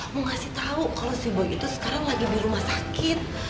mau ngasih tau kalo si boy itu sekarang lagi di rumah sakit